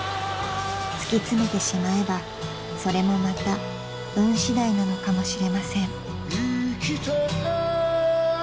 ［突き詰めてしまえばそれもまた運しだいなのかもしれません］